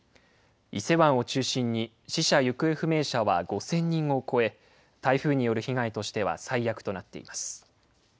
伊勢湾を中心に死者・行方不明者は５０００人を超え、台風による被害としては最悪となっています。